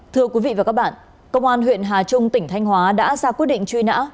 thưa quý vị và các bạn công an huyện hà trung tỉnh thanh hóa đã ra quyết định truy nã